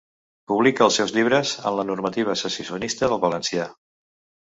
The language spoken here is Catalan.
Publica els seus llibres en la normativa secessionista del valencià.